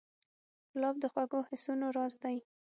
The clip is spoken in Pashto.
ګلاب د خوږو حسونو راز دی.